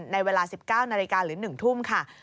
ในเวลา๑๙นาฬิกาหรือ๑ทุ่มค่ะ